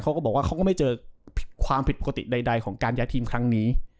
เขาก็บอกว่าเขาก็ไม่เจอความผิดปกติใดของการย้ายทีมครั้งนี้